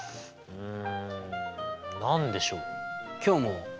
うん。